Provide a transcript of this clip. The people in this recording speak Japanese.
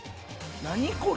何これ！